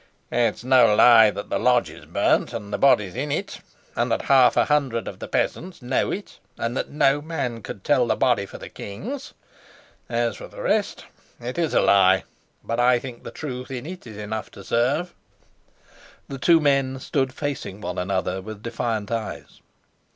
"It's no lie that the lodge is burnt, and the bodies in it, and that half a hundred of the peasants know it, and that no man could tell the body for the king's. As for the rest, it is a lie. But I think the truth in it is enough to serve." The two men stood facing one another with defiant eyes.